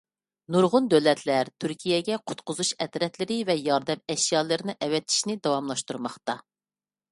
نۇرغۇن دۆلەتلەر تۈركىيەگە قۇتقۇزۇش ئەترەتلىرى ۋە ياردەم ئەشيالىرىنى ئەۋەتىشنى داۋاملاشتۇرماقتا.